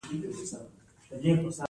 د پیتالوژي علم د طب بنسټ دی.